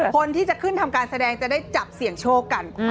คนที่จะขึ้นทำการแสดงจะได้จับเสี่ยงโชคกัน